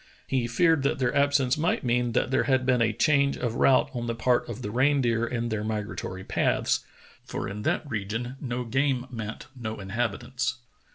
He feared that their absence might mean that there had been a change of route on the part of the reindeer in their migratory paths, for in that region no game meant no inhabitants.